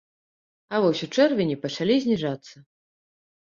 А вось ў чэрвені пачалі зніжацца.